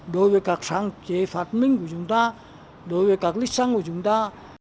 đối với các sáng chế phát minh của chúng ta đối với các lịch sáng của chúng ta